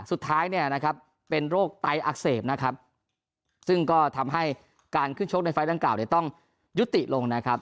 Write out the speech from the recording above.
สุดท้ายเป็นโรคไตอักเสบซึ่งก็ทำให้การขึ้นชกในไฟล์ตั้งเก่าต้องยุติลง